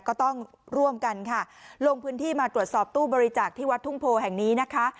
ก็ต้องร่วมกันค่ะลงพื้นที่มาตรวจสอบตู้บริจาคที่วัดทุ่งโพแห่งนี้นะคะ